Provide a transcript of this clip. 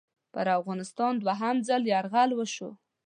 پر افغانستان دوهم ځل یرغل وشو.